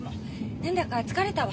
なんだか疲れたわ。